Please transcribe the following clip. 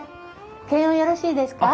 検温よろしいですか？